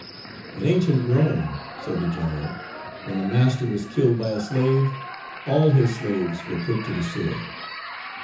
"In ancient Rome," said the general, "when a master was killed by a slave, all his slaves were put to the sword."